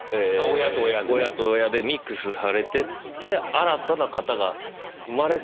親と親でミックスされてって新たな型が生まれて。